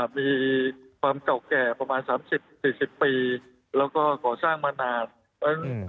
มีความเก่าแก่ประมาณ๓๐๔๐ปีแล้วก็ก่อสร้างมานาน